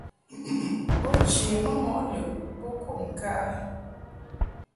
Bo che ma mɔʼ lɨʼ bo kud ŋka a.